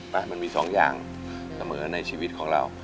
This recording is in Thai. มันมีสองอย่างเสมอในชีวิตของเรา